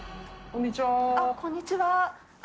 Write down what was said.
こんにちは。